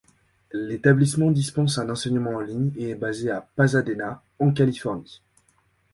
L'établissement dispense un enseignement en ligne et est basé à Pasadena, en Californie.